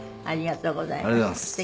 ありがとうございます。